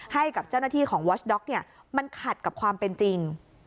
ให้กับเจ้าหน้าที่ของวอชด็อกเนี่ยมันขัดกับความเป็นจริง